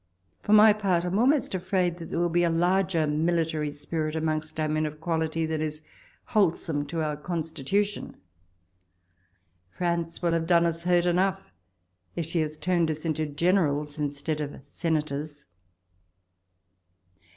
For my part, I am almost afraid that there will be a larger military spirit amongst our men of quality than is wholesome for our constitution : France will have done us hurt enough, if she has turned us into generals instead of senators.